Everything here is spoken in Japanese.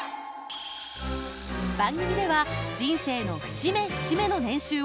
番組では人生の節目節目の年収を随時発表。